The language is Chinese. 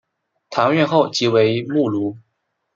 堂院后即为墓庐。